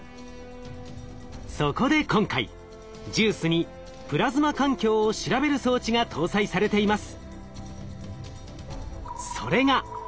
そこで今回ＪＵＩＣＥにプラズマ環境を調べる装置が搭載されています。